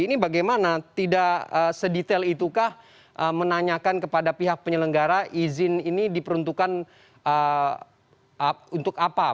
ini bagaimana tidak sedetail itukah menanyakan kepada pihak penyelenggara izin ini diperuntukkan untuk apa